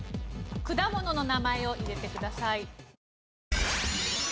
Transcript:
果物の名前を入れてください。